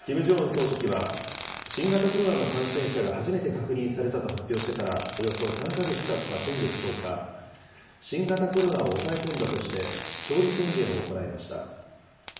総書記は、新型コロナの感染者が初めて確認されたと発表してから、およそ３か月たった先月１０日、新型コロナを抑え込んだとして、勝利宣言を行いました。